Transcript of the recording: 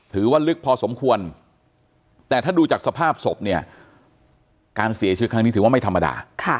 ถือว่าลึกพอสมควรแต่ถ้าดูจากสภาพศพเนี่ยการเสียชีวิตครั้งนี้ถือว่าไม่ธรรมดา